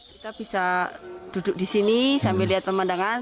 kita bisa duduk di sini sambil lihat pemandangan